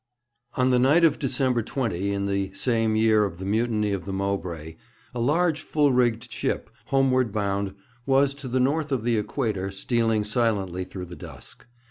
On the night of December 20, in the same year of the mutiny of the Mowbray, a large full rigged ship, homeward bound, was, to the north of the Equator, stealing silently through the dusk.